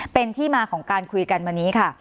เป็นที่มาของการคุยกันวันนี้ค่ะ